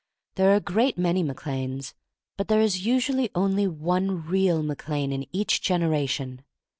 There are a great many Mac Lanes, but there is usually only one real Mac Lane in each generation.